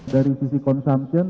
dari sisi konsumsi